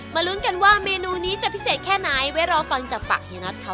มาลุ้นกันว่าเมนูนี้จะพิเศษแค่ไหนไว้รอฟังจับป่าโอเค